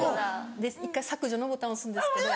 １回削除のボタン押すんですけど。